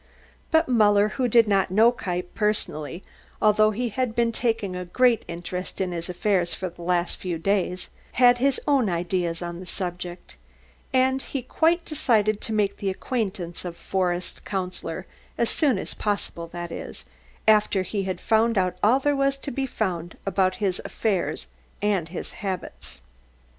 But Muller, who did not know Kniepp personally although he had been taking a great interest in his affairs for the last few days, had his own ideas on the subject, and he decided to make the acquaintance of the Forest Councillor as soon as possible that is, after he had found out all there was to be found out about his affairs and his habits.